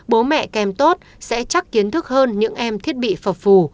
bố mẹ kèm tốt sẽ chắc kiến thức hơn những em thiết bị phở phù